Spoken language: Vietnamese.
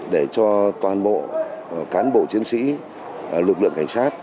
để cho toàn bộ cán bộ chiến sĩ lực lượng cảnh sát